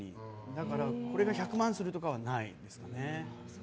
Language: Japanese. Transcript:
だから、これが１００万するとかはないですね。